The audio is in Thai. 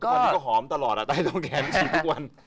ก็ตอนนี้ก็หอมตลอดอ่ะใต้ตรงแขนฉีดทุกวัน